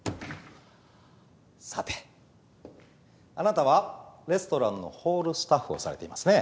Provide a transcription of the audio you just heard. さてあなたはレストランのホールスタッフをされていますね？